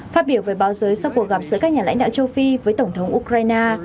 phát biểu về báo giới sau cuộc gặp giữa các nhà lãnh đạo châu phi với tổng thống ukraine